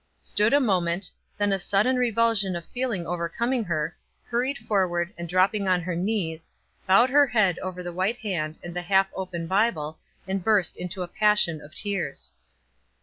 Stood a moment, then a sudden revulsion of feeling overcoming her, hurried forward, and dropping on her knees, bowed her head over the white hand and the half open Bible, and burst into a passion of tears.